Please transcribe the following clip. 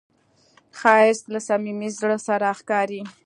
ښایست له صمیمي زړه سره ښکاري